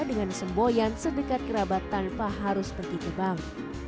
dengan semboyan sedekat kerabat tanpa harus pergi ke bank